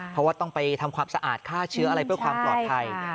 เพราะว่าต้องไปทำความสะอาดฆ่าเชื้ออะไรเพื่อความปลอดภัย